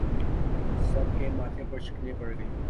سب کے ماتھے پر شکنیں پڑ گئیں